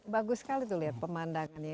bagus sekali tuh lihat pemandangannya